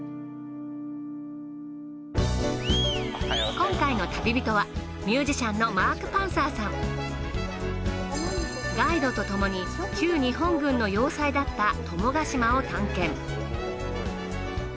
今回の旅人はガイドとともに旧日本軍の要塞だった友ヶ島を探検。